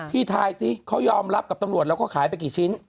ทายสิเขายอมรับกับตำรวจแล้วก็ขายไปกี่ชิ้น